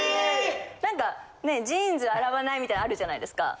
何かジーンズ洗わないみたいなあるじゃないですか。